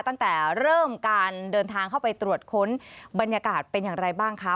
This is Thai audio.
ตั้งแต่เริ่มการเดินทางเข้าไปตรวจค้นบรรยากาศเป็นอย่างไรบ้างคะ